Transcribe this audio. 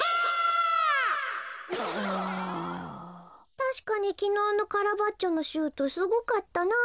「たしかにきのうのカラバッチョのシュートすごかったなぁ」。